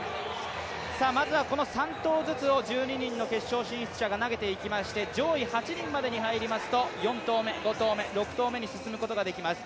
まずは３投ずつを１２人の決勝進出者が投げてきまして上位８人までに入りますと４投目、５投目６投目に進むことができます。